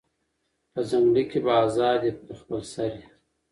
په ځنگله کی به آزاد یې د خپل سر یې